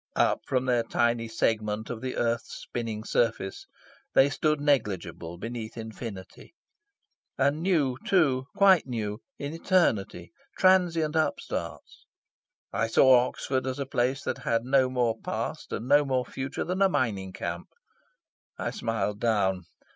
Up from their tiny segment of the earth's spinning surface they stood negligible beneath infinity. And new, too, quite new, in eternity; transient upstarts. I saw Oxford as a place that had no more past and no more future than a mining camp. I smiled down.